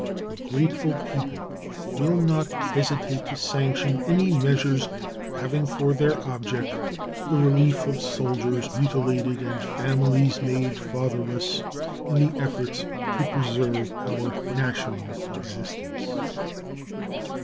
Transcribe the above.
A grateful people will not hesitate to sanction any measures having for their object the relief of soldiers mutilated and families made fatherless in the efforts to preserve our national existence.